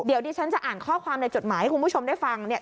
เดี๋ยวดิฉันจะอ่านข้อความในจดหมายให้คุณผู้ชมได้ฟังเนี่ย